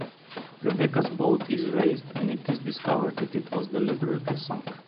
Rebecca's boat is raised and it is discovered that it was deliberately sunk.